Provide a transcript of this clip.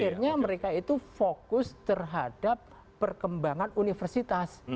akhirnya mereka itu fokus terhadap perkembangan universitas